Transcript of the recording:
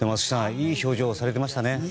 いい表情されてましたね。